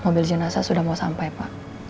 mobil jenazah sudah mau sampai pak